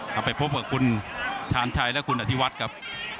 นี่ไปรองคู่เอกนะครับ